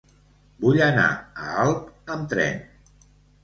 Vull anar a Alp amb tren.